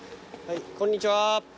こんにちは。